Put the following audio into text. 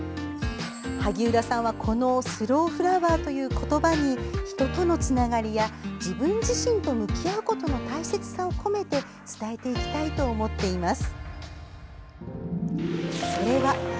萩生田さんはこのスローフラワーという言葉に人とのつながりや、自分自身と向き合うことの大切さを込めて伝えていきたいと思っています。